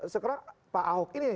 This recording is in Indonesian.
segera pak ahok ini